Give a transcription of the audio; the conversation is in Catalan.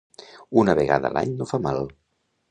Una vegada a l'any no fa mal.